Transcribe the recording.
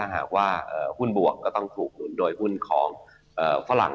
หากว่าหุ้นบวกก็ต้องถูกหนุนโดยหุ้นของฝรั่ง